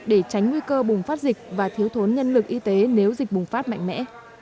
để tránh nguy cơ bùng phát dịch và thiếu thốn nhân lực y tế nếu dịch bùng phát mạnh mẽ